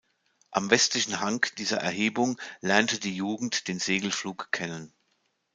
Am westlichen Hang dieser Erhebung lernte die Jugend den Segelflug kennen.